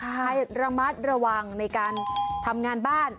ให้ระมัดระวังในการทำงานบ้าน